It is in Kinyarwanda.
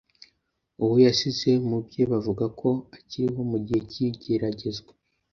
Uwo yasize mu bye bavuga ko akiriho mu gihe cy’igeragezwa